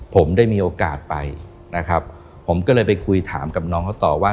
ผมได้มีโอกาสไปนะครับผมก็เลยไปคุยถามกับน้องเขาต่อว่า